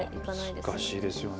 難しいですよね。